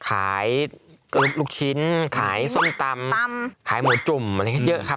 ขายลูกชิ้นขายส้นตำ